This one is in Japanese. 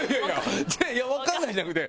いや「わかんない」じゃなくて。